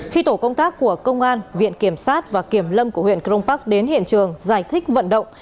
khi tổ công tác của công an viện kiểm sát và kiểm lâm của huyện crong park đến hiện trường giải thích vận động